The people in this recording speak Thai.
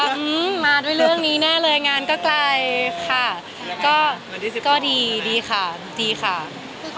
คือเขารู้ว่าเรามีงานที่ต้องไปก็เลยสงสัยก่อน